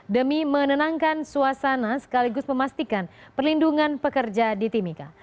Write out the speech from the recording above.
demi menenangkan suasana sekaligus memastikan perlindungan pekerja di timika